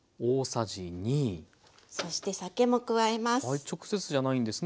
そして酒も加えます。